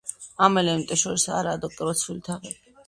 ამ ელემენტებს შორის არაა დეკორაციული თაღები.